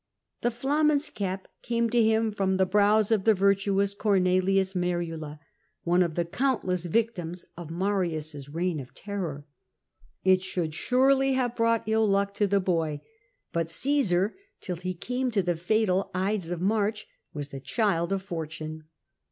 The flamen's cap came to him from the brows of the virtuous Cornelius Merula, one of the countless victims of Marius's reign of terror. It should surely have brought ill luck to the boy; but Caesar, till he came to the fatal Ides of March, was the child of fortune.